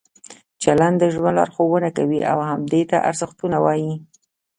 چلند د ژوند لارښوونه کوي او همدې ته ارزښتونه وایي.